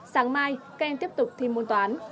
sáng mai các em tiếp tục thi môn toán